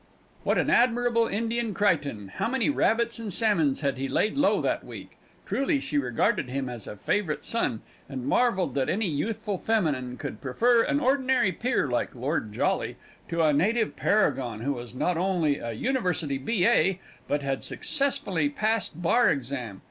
"What an admirable Indian Crichton! How many rabbits and salmons had he laid low that week? Truly, she regarded him as a favourite son, and marvelled that any youthful feminine could prefer an ordinary peer like Lord Jolly to a Native paragon who was not only a university B.A., but had successfully passed Bar Exam!"